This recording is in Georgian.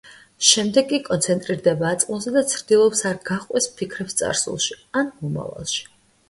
შემდეგ კი კონცენტრირდება აწმყოზე და ცდილობს არ გაჰყვეს ფიქრებს წარსულში, ან მომავალში.